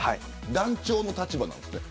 団長の立場なんですね。